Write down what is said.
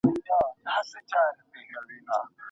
دولتي پوهنتون په خپلسري ډول نه ویشل کیږي.